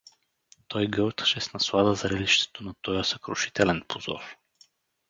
Той гълташе с наслада зрелището на тоя съкрушителен позор.